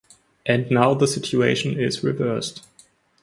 And now the situation is reversed.